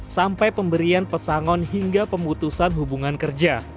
sampai pemberian pesangon hingga pemutusan hubungan kerja